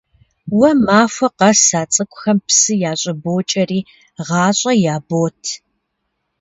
Уэ махуэ къэс а цӀыкӀухэм псы ящӀыбокӀэри, гъащӀэ ябот.